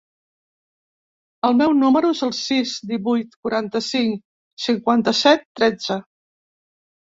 El meu número es el sis, divuit, quaranta-cinc, cinquanta-set, tretze.